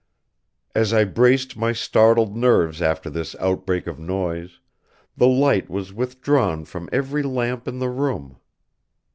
As I braced my startled nerves after this outbreak of noise, the light was withdrawn from every lamp in the room.